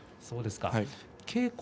そうですね。